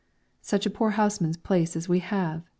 "Such a poor houseman's place as we have!"